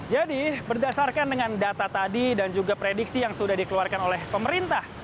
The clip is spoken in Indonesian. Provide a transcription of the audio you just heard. jadi berdasarkan dengan data tadi dan juga prediksi yang sudah dikeluarkan oleh pemerintah